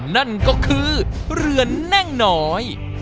นั่นก็คือเรือนแน่งน้อย